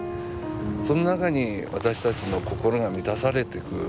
その中に私たちの心が満たされていく。